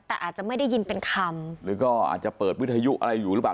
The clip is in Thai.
แต่อาจจะไม่ได้ยินเป็นคำหรือก็อาจจะเปิดวิทยุอะไรอยู่หรือเปล่า